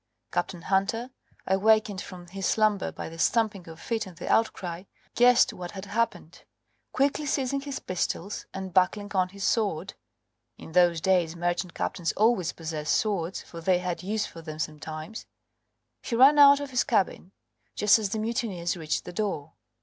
Captain Hunter, awakened from his slumber by the stamping of feet and the outcry, guessed what had happened. Quickly seizing his pistols, and buckling on his sword (in those days merchant captains always possessed swords, for they had use for them sometimes) he ran out of his cabin, just as the mutineers reached the door.